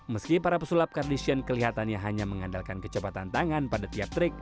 meski para pesulap kardison kelihatannya hanya mengandalkan kecepatan tangan pada tiap trik